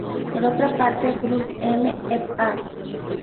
Por otra parte, Cruz M. "et al.